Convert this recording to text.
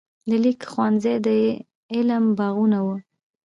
د لیک ښوونځي د علم باغونه وو.